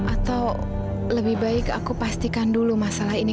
atau lebih baik aku pastikan dulu masalah ini